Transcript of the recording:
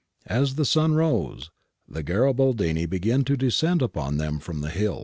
As the sun rose the Garibaldini began to descend upon them from the hills.